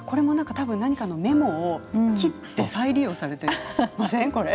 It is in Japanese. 多分、何かのメモを切って再利用されていませんか。